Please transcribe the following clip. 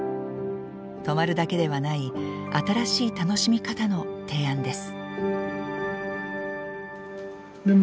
泊まるだけではない新しい楽しみ方の提案です。